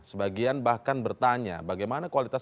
sebagian bahkan bertanya bagaimana kualitas